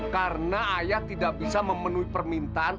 karena ayah tidak bisa memenuhi permintaan